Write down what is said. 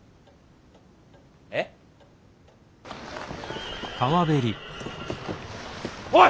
えっ？おい！